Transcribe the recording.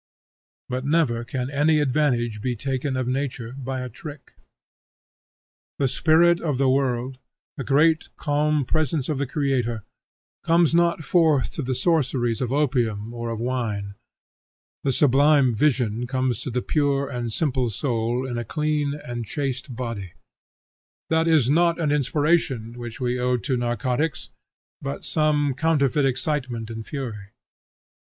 But never can any advantage be taken of nature by a trick. The spirit of the world, the great calm presence of the Creator, comes not forth to the sorceries of opium or of wine. The sublime vision comes to the pure and simple soul in a clean and chaste body. That is not an inspiration, which we owe to narcotics, but some counterfeit excitement and fury.